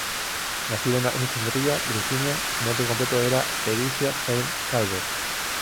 Nacido en Alexandria, Virginia, su nombre completo era Elisha Helm Calvert.